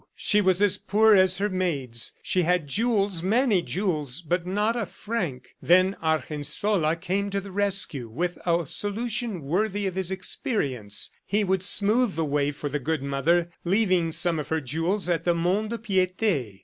She was as poor as her maids; she had jewels, many jewels, but not a franc. Then Argensola came to the rescue with a solution worthy of his experience. He would smooth the way for the good mother, leaving some of her jewels at the Mont de Piete.